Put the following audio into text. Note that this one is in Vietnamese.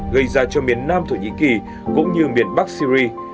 gây ra cho miền nam thổ nhĩ kỳ cũng như miền bắc syri